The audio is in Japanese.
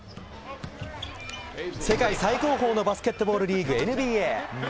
世界最高峰のバスケットボールリーグＮＢＡ。